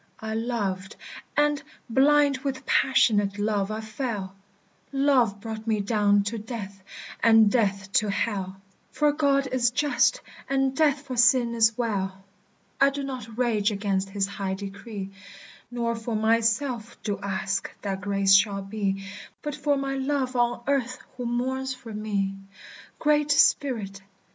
"I loved, and, blind with passionate love, I fell. Love brought me down to death, and death to Hell; For God is just, and death for sin is well. "I do not rage against his high decree, Nor for myself do ask that grace shall be; But for my love on earth who mourns for me. "Great Spirit!